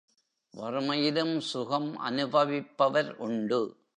வறுமையிலும் சுகம் அனுபவிப்பவர் உண்டு.